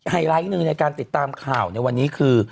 ไลท์หนึ่งในการติดตามข่าวในวันนี้คือ